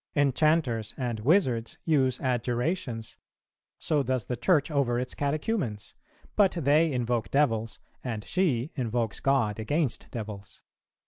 Enchanters and wizards use adjurations, so does the Church over its Catechumens; but they invoke devils, and she invokes God against devils.